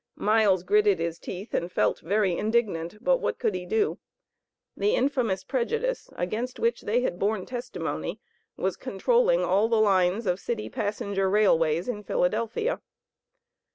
Miles gritted his teeth and felt very indignant, but what could he do? The infamous prejudice against which they had borne testimony was controlling all the lines of city passenger railways in Philadelphia.